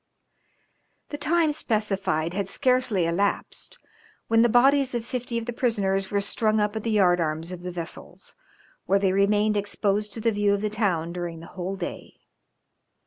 The time specified had scarcely elapsed when the bodies of fifty of the prisoners were strung up at the yard arms of the vessels, where they remained exposed to the view of the town during the whole day.